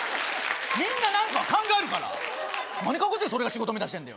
みんな何かは考えるから何カッコつけてそれが仕事みたいにしてんだよ